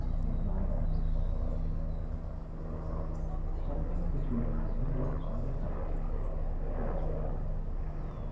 IN MY OFFICE "Something between an hindrance and a help." Wordsworth.